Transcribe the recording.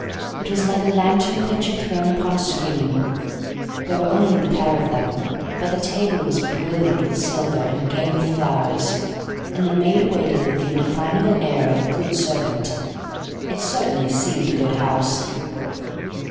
It was like a lantern picture thrown upon a screen. There were only the pair of them, but the table was brilliant with silver and gay with flowers, and the maid waited with the indefinable air of a good servant. It certainly seemed a good house.